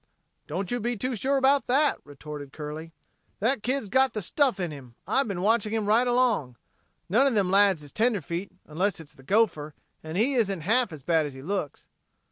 "Don't you be too sure about that," retorted Curley. "That kid's got the stuff in him. I've been watching him right along. None of them lads is tenderfeet, unless it's the gopher, and he isn't half as bad as he looks."